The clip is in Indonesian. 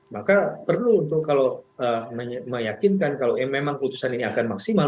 maka perlu untuk kalau meyakinkan kalau memang putusan ini akan maksimal